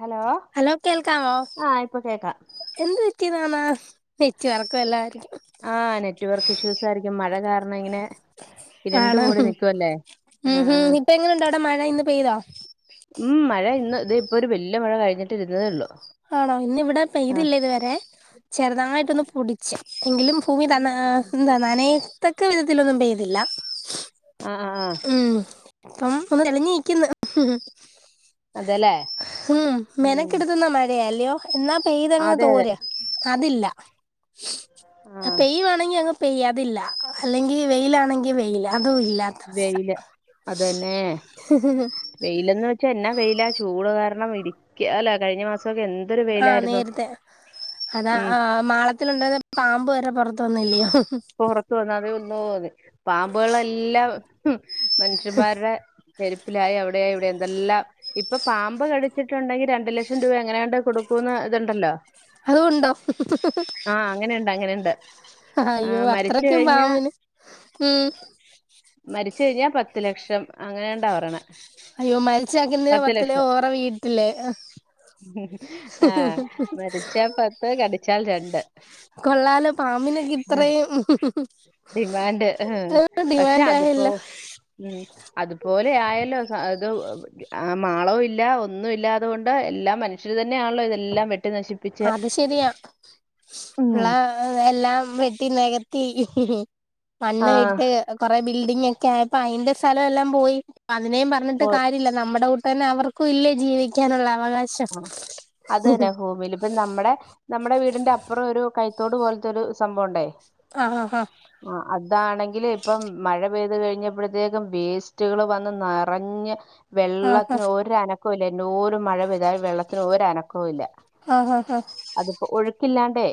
Hello hello കേൾക്കാവോ ആഹ് ഇപ്പൊ കേക്കാം എന്ത്‌ ക്കിന്നാന്നോ നെറ്റ് വർക്ക് വല്ലാർക്കും ആഹ് നെറ്റ് വർക്ക് ഇഷ്യൂസ് ആയിരിക്കും മഴ കാരണം ഇങ്ങനെ ഇരണ്ട് മൂടി നിക്കുവല്ലേ ആഹ് ആഹ് ഇപ്പ എങ്ങനെ ണ്ടവിടെ മഴ ഇന്ന് പെയ്തൊ ഉം മഴ ഇന്ന് ഇതേ ഇപ്പൊ ഒരു വെല്ല്യേ മഴ കഴിഞ്ഞിട്ടിരുന്നതേ ഒള്ളൂ ആണോ ഇന്നിവടെ പെയ്തില്ല ഇതുവരെ ചെറുതായിട്ടൊന്ന് പുടിച്ച് എങ്കിലും ഭൂമി തന്ന എന്താ നനയത്തക്ക വിധത്തിലൊന്നും പെയ്തില്ല ആഹ് ആഹ് ആഹ് ഉം ഇപ്പം ഒന്ന് തെളിഞ്ഞ നിക്കുന്നു അതെല്ലേ ഉം ഉം മെനക്കെടുത്തുന്നാ മ ഴയാ അല്ലയോ എന്നാ പെയ്തങ്ങ് അതെ അതെ തോര് അതില്ല ആഹ് പെയ്യുവാണെങ്കി അങ്ങ് പെയ്യ അതില്ല അല്ലെങ്കിൽ വെയിലാണെങ്കിൽ വെയിൽ അതും ഇല്ലാ വെയില് അതന്നെ വെയിലന്ന് വെച്ചാ എന്നാ വെയില ചൂട് കാരണം ഇരിക്ക അല്ല കഴിഞ്ഞ മാസം സൊക്കെ എന്തരു വെയി ആഹ് നേരത്തെ അതാ ആഹ് മാളത്തിലുണ്ടാന്ന പാമ്പ് വരെ പൊറത്ത് വന്നില്ലയോ പൊറത്ത് വന്ന അതി ഉന്നു അറി പാമ്പുകളെല്ലാം മനുഷ്യന്മാരുടെ ചെരുപ്പിലായി അവിടെയ ഇവിടെ എന്തെല്ലാം ഇപ്പൊ പാമ്പ് കടിച്ചിട്ടുണ്ടെങ്കി രണ്ടു ലക്ഷം രൂപ എങ്ങനെയാണ്ട് കൊടുക്കൂന്ന് ഇതുണ്ടല്ലോ അതുണ്ടോ ആ അങ്ങനെയുണ്ട് അങ്ങനെയുണ്ട് ആ അയ്യോ മരിച്ചു അത്രക്കും കഴിഞ്ഞാ പാമ്പിന് ഉം മരിച്ച് കഴിഞ്ഞാ പത്തു ലക്ഷം അങ്ങനെണ്ടാ പറയണ്. അയ്യോ മരിച്ചാക്കെന്തിനാ പത്തല്ലേ ഓറെ വീട്ടില്ലേ ആഹ് മരിച്ചാൽ പത്ത് കടിച്ചാൽ രണ്ട്. കൊള്ളാലൊ പാമ്പിനൊക്കെ ഇത്രയും. ഉം ഡിമാൻഡ് പക്ഷെ അതിപ്പോ ആയല്ലോ ഉം അതുപോലെ ആയല്ലോ സ ഇത് ഉം ആ മാളവും ഇല്ല ഒന്നും ഇല്ലാതുകൊണ്ട് എല്ലാം മനുഷ്യർ തന്നെയാണല്ലോ ഇതെല്ലാം വെട്ടി നശിപ്പ അത് ശെരിയാ ഉം ഉള്ള എല്ലാം വെട്ടി നികത്തി. ഹിഹി ആ മണ്ണ് ഇട്ട് കൊറെ ബിൽഡിംഗ ഒക്കെ ആയപ്പ അയിന്റെ സ്ഥലം എല്ലാം പോയി അതിനേ ഞ്ഞിട്ട് പോ കാര്യല്ല നമ്മുടെ കൂട്ട തന്നെ അവർക്കും ഇല്ലേ ജീവിക്കാനുള്ള അവകാശ ആ അത് തന്നെ ഭൂമില് ഇപ്പ നമ്മടെ നമ്മുടെ വീടിന്റെ അപ്പുറം ഒരു ക കയ്ത്തോട് പോലത്തെൊരു സംഭവണ്ടേയ് ആഹ് ആഹ് ആാ ആ അതാണെങ്കില് ഇപ്പം മഴ പെയ്ത് കഴിഞ്ഞപ്പഴത്തേക്കും വേസ്റ്റുകള് വന്ന് നിറഞ്ഞ്. ആഹ് ആഹ് വെള്ളത്തിന് ഒരനക്കവും ഇല്ല എന്നോരം മഴ പെയ്താൽ വെള്ളത്തിന് ഒരനക്കവും ഇല്ല ആഹ് ആഹ് ആഹ് അതിപ്പോ ഒഴുക്കില്ലാണ്ടേ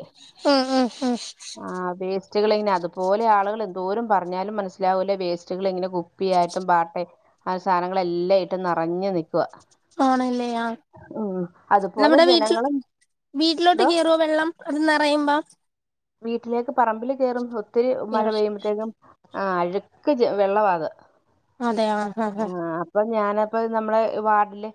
ഉം ഉം ഉം ആ വെ റ്റകളെങ്ങെനെ അതുപോലെ ആളുകൾ എന്തോരും പറഞ്ഞാലും മനസ്സിലാവൂല്ല വേസ്റ്റുകൾ ഇങ്ങനെ കുപ്പിയായിട്ടും പാട്ടെ ആ സാധനങ്ങളൾെല്ലാം ഇട്ടും നിറഞ്ഞഞ് നിക്കുവാ ആണല്ലേ ആഹ് അതുപോലെ നമ്മുടെ വീട്ടിൽ ജനങ്ങളും വീട്ടിലോട്ട് എന്തോ കേയറുവോ വെള്ളം അത് നറയുമ്പോ? വീട്ടിലേക്ക് പറമ്പിൽ കേറും ഒത്തിരി മഴ കേറും പെയ്യുമ്പോത്തേക്കും. ആഹ് അഴുക്ക് വെള്ളവാത്. അതെയ ആഹ് ആഹ് അപ്പ ഞാനപ്പ നമ്മളെ വാർഡിലെ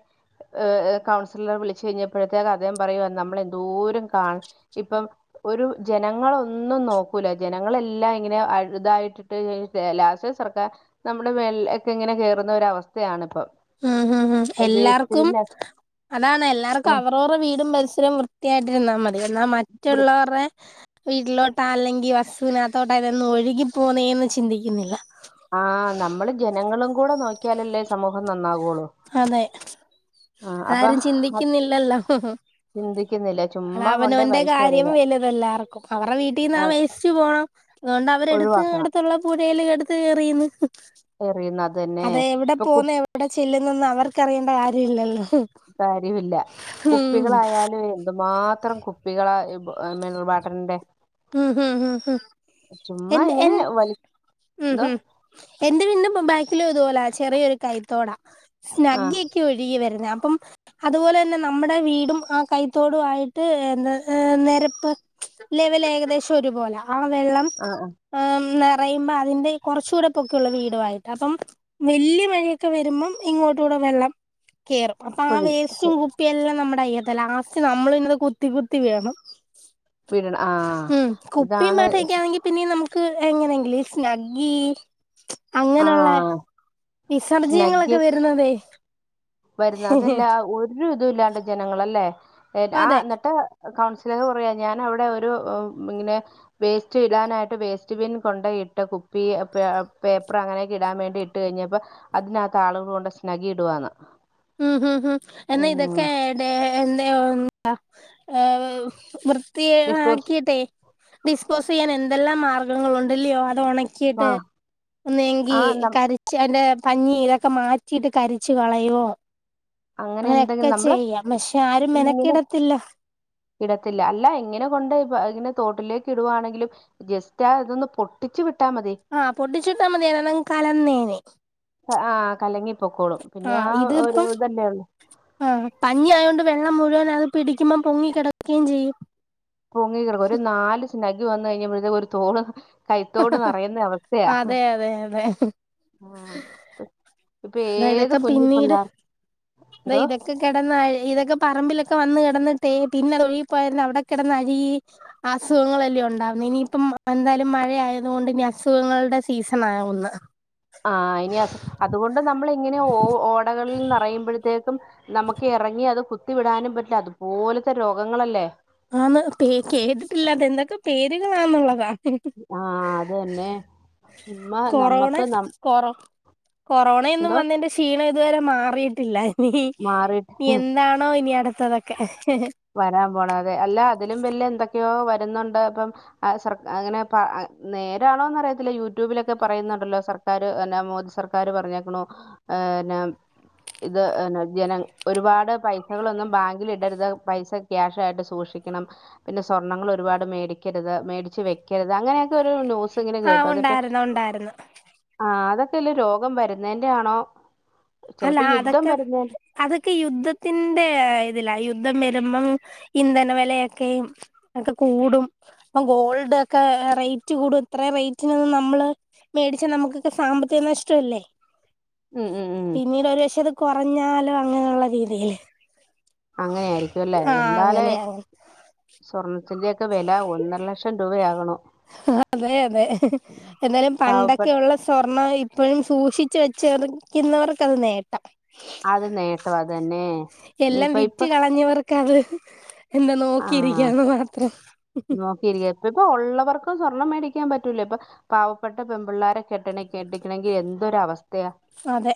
ഒ കൗൺസിലർ വിളിച്ചു കഴിഞ്ഞപ്പഴത്തേക്ക് അദ്ദേഹം പറയുവാ നമ്മളെന്ദോരം കാണ ഇപ്പം ഒരു ജനങ്ങളൊന്നും നോക്കൂല ജനങ്ങളെല്ലാം ഇങ്ങനെ അഴുതായിട്ട് ട്ട് അയ്‌ന് ശേ ലാസ്റ്റ് സർക്കെ നമ്മുടെ മെല്ലെഒക്കെ ഇങ്ങനെ കേറുന്ന ഒര അവസ്ഥയാണ് ഇപ്പൊ. ഉംഹും ഹും ഹ. എല്ലാർക്കും അതാണ് എല്ലാവർക്കും അവ രോരെ വീടും പരിസരം വൃ ത്തിയായിട്ടിരുന്നാൽ മതി എന്നാൽ മറ്റുള്ളോരെ വീട്ടിലോട്ടാ അല്ലെങ്കി വസ്തു വിനകത്തോട്ടാ ഇതെന്ന് ഒഴുകി പോുന്നേന്ന് ചിന്തിക്കിന്നില്ല. ആ നമ്മള് ജനങ്ങളും കൂടെ നോക്കിയാലല്ലേ സമൂഹം നന്നാകുള്ളൂ. അതെ ആഹ് അപ്പൊ അതാരും അത് ചിന്തിക്കുന്നില്ലല്ലോ? ചിന്തിക്കുന്നില്ല അത ചുമ്മാ കൊണ്ടേ അവനോവന്റെ കാര്യം വലിച്ചെറിയുക വലുത് എല്ലാർക്കും അവരുടെ വീട്ടിൽന്നാ ആ, വേസ്റ്റ് പോണം. അതുകൊണ്ട് അവരെടുത്ത് ഒഴിവാക്കണം അടുത്തുള്ള പുഴൽ എടുത്ത് എറുയുന്ന്.. എറിയുന്നത് അത് തന്നെ ഇപ്പൊ കു ഇവിടെ ചെല്ലുന്നൊന്ന അവർക്ക്റിയേണ്ട കാര്യ ഇല്ലല്ലോ, കാര്യമില്ല കുപ്പികളായാലുവെ.. അത്മാത്രം കുപ്പികളാ മിനറൽ വാട്ടറിന്റെ.. ഉ ഹ് ഹ ചുമ്മാ എന്ത് എ ഇങ്ങനെ വലി ഉ എന്തോ ഉ.. എന്റെ വിന്നും ബാക്കില ഇതുപോലാ ചെറിയൊരു കൈത്തോടാ ആഹ് സ്നഗ്ഗി ഒഴുകി വരുന്ന അപ്പം.. അതുപോലെ തന്നെ നമ്മുടെ വീടും ആ കൈത്തോടു ആയിട്ട് എന്താ യെ നിരപ്പ്.. ലെവൽ ഏകദേശം ഒരുപോലെ ആ വെള്ളം.. ആഹ് ആഹ് ആ നിറയുമ്പോ അതിന്റെ കുറച്ചൂടെപ്പൊക്കെ ഉള്ള വീടുമായിട്ട് അപ്പം.. വല്യ മഴയൊക്കെ വരുമ്പം ഇങ്ങോട്ടൂടെ വെള്ളം.. കേറും അപ്പൊ ആ കുഴി വേസ്റ്റും കുപ്പിയെല്ലാം നമ്മുടെ അയ്യത്തെ ലാസ്റ്റ് നമ്മൾ ന്നത് കുത്തി കുത്തി വിടണം. വീഴണ ആഹ് ഉം കുപ്പിയും ഇതാണ് പാട്ടൊക്കൊണെങ്കി പിന്നെ നമുക്ക് എങ്ങനെയെങ്കില സ്നഗ്ഗി.. അങ്ങനെയുള്ള ആഹ് സ്നഗ്ഗി വിസർജനങ്ങളൊക്കെ വരുന്നതെ.. വരുന്ന അതല്ല ഒരു ഇത ഇല്ലാണ്ട് ജനങ്ങളല്ലേ ആ അതെ എന്നിട്ട്.. കൗൺസിലർ കുറയാ ഞാൻ അവിടെ ഒരു ഇങ്ങനെ.. വേസ്റ്റ് ഇടാനായിട്ട് വേസ്റ്റ് ബിൻ കൊണ്ട ഇട്ട് കുപ്പി പെ പേപ്പർ അങ്ങനെയൊക്കെ ഇടാൻ വേണ്ടി ഇട്ട്.. ഇട്ട കഴിഞ്ഞപ്പോ അതിനകത്ത് ആളുകൾ കൊണ്ട് സ്നഗി ഇടുവന്ന്.. ഉം ഉം ഉം എന്ന ഇതൊക്കെ ഡ എന്തോ എന്താ ഹ വൃത്തിയ ഡിസ്പോസ് ആക്കിട്ടെ.. ഡിസ്പോസ് ചെയ്യാൻ എന്തെല്ലാം മാർഗങ്ങള ഉണ്ടല്ലയോ അത് ഉണക്കിയിട്ട് ആഹ് ഒന്ന് എങ്കി ആഹ് നം കരി.. അതിന്റെ പഞ്ഞി ഇതൊക്കെ മാറ്റിയിട്ട് കരിച്ച് കളയോ.. അങ്ങനെ അങ്ങനൊക്കെ എന്തെങ്കിലും നമ്മള് ചെയ്യാം പക്ഷെ ആരും ഇങ്ങനെ മെനക്കിടത്തില്ല.. ഇടത്തില്ല അല്ല ഇങ്ങനെ കൊണ്ട് ഇ ഇങ്ങനെ തോട്ടിലേക്ക് ഇടുകവായാണെങ്കിലും.. ജസ്റ്റ് ആ ഇതൊന്ന് പൊട്ടിച്ചു വിട്ടാ മതി. ആഹ് പൊട്ടിച്ചിട്ടാമ്മതി അതെന്നെ കലം നേനി.. ആ കലങ്ങി പൊക്കോളും പിന്നെ ആ ഒരു ഇതല്ലേ ഉള്ളൂ, ആഹ പഞ്ഞിയ ആയോണ്ട് വെള്ളം മുഴുവന അത് പിടിക്കുമ്പം പൊങ്ങി കിടക്കുകയും ചെയ്യും. പൊങ്ങി കിടക്കും ഒരു നാല് സ നഗി വന്നു കഴിഞ്ഞ്പഴത്തേ ഒരു തോള്.. കൈത്തോട് നിറയുന്ന അവസ്ഥയാ അതെ അതെ അതെ ആ.. ഇപ്പൊ എന്നാ ഏത ഇതൊക്കെ കുഞ്ഞി പിള്ളേർ ഏതോ.. കിടന്നയി ഇതൊക്കെ പറമ്പിലൊക്കെ വന്ന് കിടന്നിട്ട് പിന്നെ അത് ഒഴിപ്പോയ ന്ന അവിടെ കിടന്ന് അഴുകി.. അസുഖങ്ങളല്ലേ ഉണ്ടാവുന്ന ഇനിയിപ്പം എന്തായാലും മഴ ആയതുക കൊണ്ട് ഇനി അസുഖങ്ങളുടെ സീസൺ ആകുന്നു.. ആ ഇനി അസു അതുകൊണ്ട് നമ്മൾ ഇങ്ങനെ ഓ ഓടകളിൽന്ന്റയുമ്പോഴത്തേക്കും.. നമുക്ക് ഇറങ്ങി അത് കുത്തി വിടാനും പറ്റില്ല അതുപോലത്തെ രോഗങ്ങളല്ലേ. ആന്ന് പ കേട്ടിട്ടില്ല അത എന്തൊക്കെ പേരുകളാന്നുള്ളതാ.. ആഹ അത് തന്നെ ചുമ്മ്മ നമ്മക്ക് ന പോറ കൊറോണയന്നും വന്ന്.. ക്ഷീണം ഇതുവരെ മാറിയിട്ടില്ല ഇനി മാറിട്ട് എന്താണോ ഇനി അടുത്തതൊക്കെ, വരാൻ പോണം അതെ അല്ല അതിലും വല് എന്തൊക്കെയോ വരുന്നുണ്ട് അപ്പം.. സർ അങ്ങനെ നേരാണോന്ന് അറിയത്തില്ല യൂട്യൂബിലൊക്കെ പറയുന്നുണ്ടല്ലോ സർ സക്കാര് എന്നാ മോദി സർക്കാാര് പറഞ്ഞേക്കണ ഹ് എന്ന.. ഇത് ന്ന ജന ഒരുപാട് പൈസകളൊന്നും ബാങ്കിൽ ഇടരുത്.. പൈസ ക്യാഷ ആായിട്ട് സൂക്ഷിക്കണം, പിന്നെ സ്വർണ്ണങ്ങൾ ഒരുപാട് മേടിക്കരുത് മേടിച്ച് വെക്കരുത് അങ്ങനെയൊക്കെ ഒരു ന്യൂസ്.. ങ്ങനെ ആഹ് കേട്ടോ അതപ്പോ.. ഉണ്ടായിരുന്നു ഉണ്ടായിരുന്നു ആ അതൊക്കെല്ല രോഗം വരുന്നേന്റെ ആണോ അല്ല ചിലപ്പോ യുദ്ധം അതൊക്കെ വരുന്ന.. അതൊക്കെ യുദ്ധത്തിന്റെ ഇതിലാ യുദ്ധ മരുമ്മം ഇന്ധനവിലയൊക്കെ.. എക്ക കൂടും അപ്പൊ ഗോൾഡ്ക്ക റേറ്റ് കൂടും ഇത്രേ റേറ്റിനൊന്നും നമ്മള് മേടിച്ചാ നമുക്കൊക്കെ സാമ്പത്തിക നഷ്ടവല്ലേ ഉം ഉം ഉം പിന്നീട് ഒരു പക്ഷേ ഇത് കുറഞ്ഞാലോ അങ്ങനെയുള്ള രീതിയില് അങ്ങനെ ആരിക്കും അല്ലേ ആഹ് എന്താലേ അങ്ങനെ അങ്ങനെ സ്വർണ ത്തിന്റെയൊക്കെ വില ഒന്നര ലക്ഷം രൂപയാകണു അതെ അതെ എന്നാലും പാവപ്പെട്ട പണ്ടൊക്കെയൊള്ള സ്വർണം ഇപ്പഴും സൂക്ഷിച്ചു വെച്ചെറിക്കുന്നവർക്കത് നേട്ടം അത് നേട്ടം അതന്നെ ഇനിപ്പ ഇപ്പൊ ക്കത് എന്താ നോക്കിരിക്കാന്ന് മാത്രം [unintelligible] ഇപ്പിപ്പ ഒള്ളവർക്കും സ്വർണം മേടിക്കാൻ പറ്റൂല ഇപ്പൊ പാവപ്പെട്ട പെമ്പിള്ളാരെ കെട്ടണ കെട്ടിക്കണെങ്കി എന്തൊരവസ്ഥയ സതെ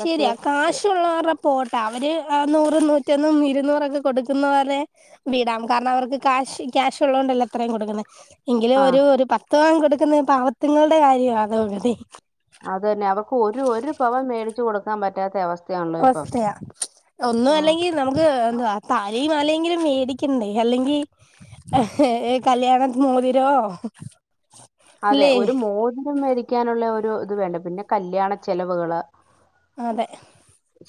ശരിയാ കാശുള്ളവർ പോട്ട അവര് എഹ് നൂറും നൂറ്റൊന്നും ഇരുന്നൂറൊക്കെ കൊടുക്കുന്ന പോലെ വിടാം കാരണം അവർക്ക് കാശ് ക്യാഷ് ഉള്ളത് കൊണ്ടല്ലേ അത്രേം കൊടുക്കണെ എങ്കിലും ആ ഒരു ഒരു പത്ത് പവൻ കൊടുക്കുന്ന പാവത്ത്ങ്ങളുടെ കാര്യവാ അതോഗതി അതന്നെ അവക്ക് ഒരു ഒരു പവൻ മേടിച്ച് കൊടുക്കാൻ പറ്റാത്ത അവസ് അവസ്ഥയാ ഒന്നും അല്ലെങ്കി നമു ഗേ എന്തവാ തലിം മാലേങ്കിലും മേടിക്കണ്ടേ അല്ലെങ്കി ഏഹ് കല്യാണത് മോതിരോ അതെ അല്ലേ ഒരു മോതിരം മേടിക്കാനുള്ള ഒരു ഇത് വേണ്ട പിന്നെ കല്യാണ ചെലവുകള് അതെ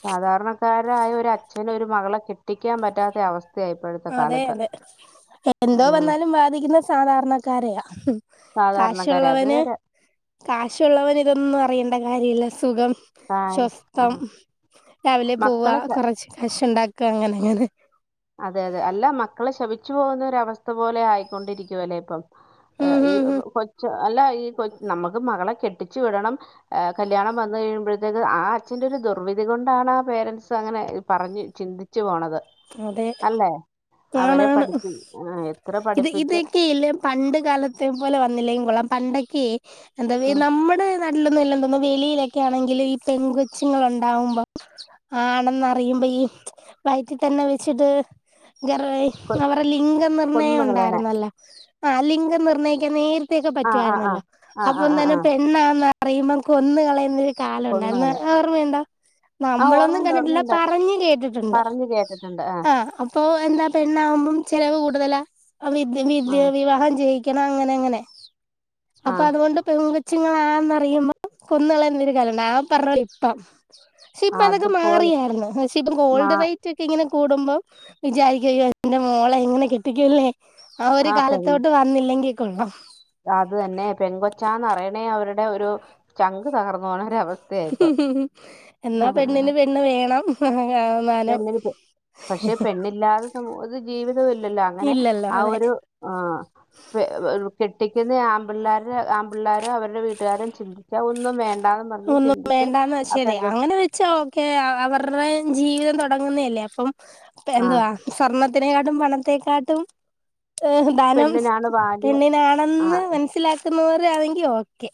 സാധാരണക്കാരായ ഒരു അച്ഛന് ഒരു മകളെ കെട്ടിക്കാൻ പറ്റാത്ത അവസ് അതെ അതെ എന്തോ ആ വന്നാലും ബാധിക്കുന്ന സാധാരണക്കാരെയാ സാധാരണക്കാരെ അത് കാശൊള്ളവന് നേരെ കാശൊള്ളവന് ഇതൊന്നും അറിയണ്ട കാര്യവില്ല സുഖം കാര്യം ആ ശ്വസ്ത്തം രാവിലെ പോവ മക്കളെ ശ കുറച്ച് കശുണ്ടാക്ക അങ്ങനെ അങ്ങനെ അതെ അതെ അല്ല മക്കളെ ശപിച്ചു പോകുന്ന ഒരവസ്ഥ പോലെ ആയിക്കൊണ്ടിരിക്കുവല്ലേ ഇപ്പം ഉം ഏഹ് ഈ ഉം കൊ കൊച്ച് അല്ലാ ഈ കൊച് നമ്മക്ക് മകളെ കെട്ടിച്ചു വിടണം ഏഹ് കല്യാണം വന്നു കഴിയുമ്പോഴത്തേക്ക് ആ അച്ഛന്റെ ഒരു ദുർവിധി കൊണ്ടാണ് ആ പേരൻസ് അങ്ങനെ പറഞ്ഞു ചിന്തി ച്ച് പോണത് ഉം അതെ അല്ലേ അവരെ ആണാണ് പഠിപ്പി അഹ് എത്ര ഇത് പഠിപ്പിച്ച് ഇതൊക്കെ ഇല്ലേ പണ്ട് കാലത്തെ പോലെ വന്നില്ലെങ്കി കൊള്ളാം പണ്ടക്കെ എന്താവെ ഉം, നമ്മടെ നല്ലൊന്നും അല്ലന്ന് തോന്നുന്നു വെളിലൊക്കെ ആണെങ്കിൽ ഈ പെങ്കൊച്ചുങ്ങള് ഉണ്ടാവുമ്പം ആണെന്നറിയുമ്പ ഈ റ്റി തന്നെ വെച്ചിട്ട് ഗർ ഏയ് കൊ- അവര്ടെ ലിംഗ നിർണ്ണയം കൊന്നു കളയണേ ഉണ്ടാരുന്നല്ലോ ആഹ് ലിംഗം നിർണ്ണയിക്കാൻ നേരത്തെക്കെ ആ ആ ആ പറ്റുവാരുന്നല്ലോ ആ ആ അപ്പൊ ആ തന്നെ ആ പെണ്ണാന്ന പറയുമ്പം കൊന്ന്കളയുന്ന് കൊന്നു കാലോണ്ടാര്ന്ന് കളയാ ഓർമ്മയുണ്ടോ ആ നമ്മളൊന്നും ഓർമ്മയുണ്ട് കണ്ടിട്ടില്ല പറഞ്‌ കേട്ടിട്ടുണ്ട് ണ്ട്‌ ആഹ് അഹ് അപ്പൊ എന്താ പെണ്ണാകുമ്പം ചെലവ് കൂടുതല അവിദ്യ വിദ്യ വിവാഹം ചെയ് യക്കണം അങ്ങനങ്ങനെ ആ അപ്പൊ അതുകൊണ്ട് പെങ്കൊ ച്ങ്ങളാന്നറിയുമ്പം കൊന്നുകളയുന്ന ഒരു കാലോണ്ട് ആഹ് പറഞ്ഞത് ഇപ്പം ഷേ ആ ഇപ്പ അതൊക്കെ അതുപോലെ മാറിയാരുന്നു പക്ഷെ ഇപ്പം മാ ഗോൾഡ് റെയ് റ്റ്‌ക്കെ ഇങ്ങനെ കൂടുമ്പം വിചാരിക്കും അയ്യോ എന്റെ മോളെ എങ്ങനെ കെട്ടിക്കൂല്ലേ ആഹ് ഒരു ആ പെൺ കാലത്തോട്ട് വന്നില്ലെങ്കി കൊള്ളാം അത് തന്നെ പെങ്കൊച്ചാന്ന് അറിയണേ അവരുടെ ഒരു ചങ്ക് തകർന്നു പോണ ഒരവസ് എന്നാ പെണ്ണിന് പെണ്ണ് വേണം ആവ് ങ്ങാനം ഇല്ലാതെ സമൂഹത്ത് ജീവിതവില്ലല്ലോ അങ്ങനെ ഇല്ലല്ലോ ആഹ് അതെ ഒരു പേ വെർ കെട്ടിക്കുന്ന ആമ്പിള്ളേരുടെ ആമ്പിള്ളേരും അവരുടെ വീട്ടുകാരും ചിന്തിച്ചാ ഒന്നും വേ ഒന്നും വേണ്ടാന്ന് വെച്ചല്ലേ അങ്ങനെ വെച്ചാ ക്കെ അവരുടെ ജീവിതം തുടങ്ങുന്നല്ലേ അപ്പം ആ എന്തുവാ സ്വർണ്ണത്തിനേക്കാട്ടും പണത്തെക്കാട്ടും ഏ ധാനം പെണ്ണിനാണ് വാല്യൂ ആ പെണ്ണിനാണെന്ന് മനസ്സിലാക്കുന്നവർ ആണെങ്കി ഓക്കെ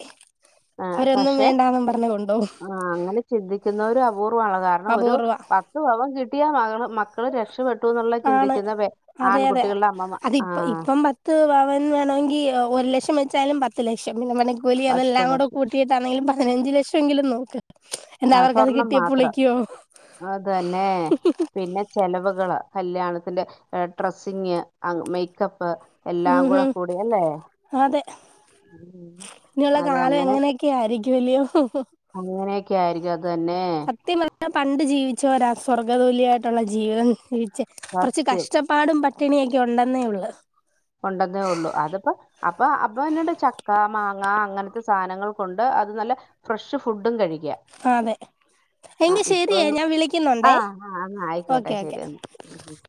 ആ, അവരൊന്നും പക്ഷെ വേണ്ടാന്നും പറഞ്ഞ് കൊണ്ടോവും ആ അങ്ങനെ ചിന്തിക്കുന്നോര് അപൂർവ്വണല്ലോ കാരണം ഒരു അപൂർവ പത്ത് പവൻ കിട്ടിയാ മകൾ മക്കൾ രക്ഷപ്പെ ട്ടുന്നുള്ള ആണ് ചിന്തിക്കുന്ന അതെ അതെ ആൺകുട്ടികളുടെ അമ്മമ ആ അതിപ്പ ഇപ്പം പത്ത് പവൻ വേണമെങ്കി ഒരു ലക്ഷം വെച്ചാലും പത്ത് ലക്ഷം പിന്നെ പണിക്കൂലി അതെല്ലാം പത്ത് കൂടെ ലക്ഷം കൂ ടിട്ടാണെങ്കിൽ പതിനഞ്ച് ലക്ഷമെങ്കിലും നോക്ക് എന്താ ആ അവർക്കത് സ്വർണം കിട്ടിയ മാത്രം പുളിക്കോ അതന്നെ പിന്നെ ചെലവ്കള് കല്യാണത്തിന്റെ ഡ്രെസ്സിങ് മേക്കപ്പ് എല്ലാം ഉം കൂടെ ഉം കൂടി അല്ലേ അതെ അതെ അങ്ങനെ ഒക്കെ ആയിരിക്കുവല്ലോ അങ്ങനെയൊക്കെ ആയിരിക്കും അത് ന്നെ കൃത്യം പറഞ്ഞ പണ്ട് ജീവിച്ചോരാ സ്വർഗ്ഗ തുല്യായിട്ടുള്ള ജീവിതം ജീവിച്ചേ കുറച്ച് സത്യം കഷ്ടപ്പാടും പട്ടിണിയൊക്കെ ഉണ്ടെന്നേ ഉള്ളു ഉണ്ടെന്നേ ഉള്ളു അതിപ്പം അപ്പൊ അപ്പൊ തന്നണ്ട് ചക്ക മാങ്ങ അങ്ങനത്തെ സാധനങ്ങൾ കൊണ്ട് അത് നല്ല ഫ്രഷ് ഫുഡും കഴിക്ക അതെ ആഹ് എങ്കി ശരിയേ ഇപ്പം ഞാൻ വിളിക്കുന്നുണ്ടേ ആഹ് ആഹ് ആയിക്കോട്ടെ ഓക്കെ ഓക്കെ ശരി എന്നാ ഉം